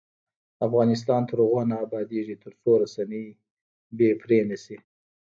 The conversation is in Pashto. افغانستان تر هغو نه ابادیږي، ترڅو رسنۍ بې پرې نشي.